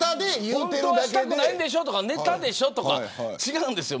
本当はしたくないんでしょとかネタでしょとか違うんですよ。